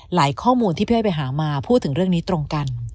ข้อมูลที่พี่อ้อยไปหามาพูดถึงเรื่องนี้ตรงกัน